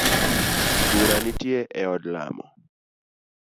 Bura nitie e od lamo.